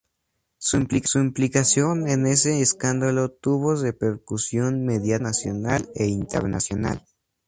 Su implicación en ese escándalo tuvo repercusión mediática nacional e internacional.